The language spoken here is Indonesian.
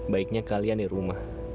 baiknya kalian di rumah